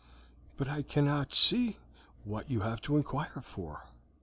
"But I cannot see what you have to inquire for."